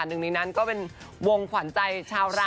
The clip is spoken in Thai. หนึ่งในนั้นก็เป็นวงขวัญใจชาวเรา